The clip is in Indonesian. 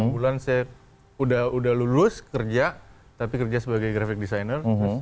enam bulan saya udah lulus kerja tapi kerja sebagai grafik designer